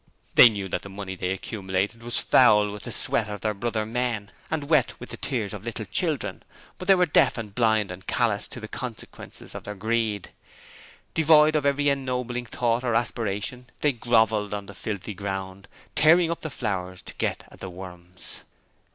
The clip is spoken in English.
They knew that the money they accumulated was foul with the sweat of their brother men, and wet with the tears of little children, but they were deaf and blind and callous to the consequences of their greed. Devoid of every ennobling thought or aspiration, they grovelled on the filthy ground, tearing up the flowers to get at the worms.